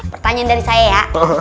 pertanyaan dari saya ya